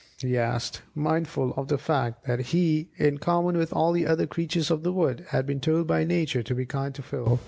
he asked, mindful of the fact that he, in common with all the other creatures of the wood, had been told by Nature to be kind to Phil.